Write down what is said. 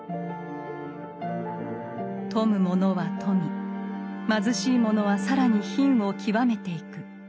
富む者は富み貧しい者は更に貧を極めていく。